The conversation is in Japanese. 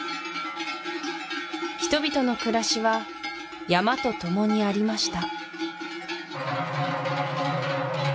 人々の暮らしは山とともにありました